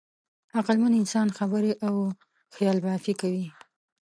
عقلمن انسان خبرې او خیالبافي کوي.